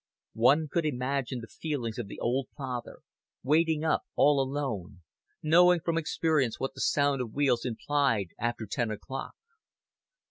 One could imagine the feelings of the old father, waiting up all alone, knowing from experience what the sound of wheels implied after ten o'clock.